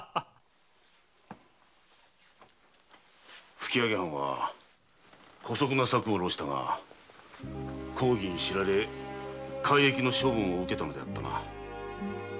吹上藩は姑息な策を弄したが公儀に知られ改易の処分を受けたのであったな。